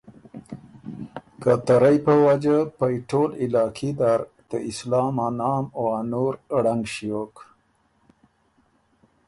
ته که رئ په وجه پئ ټول علاقي نر ته اسلام ا نام او ا نُور ړنګ ݭیوک۔